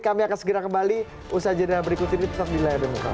kami akan segera kembali usaha jadwal berikut ini tetap di layar demokrasi